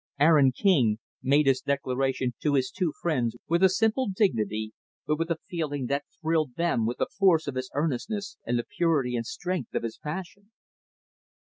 Aaron King made his declaration to his two friends with a simple dignity, but with a feeling that thrilled them with the force of his earnestness and the purity and strength of his passion.